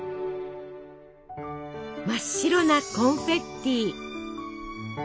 真っ白なコンフェッティ！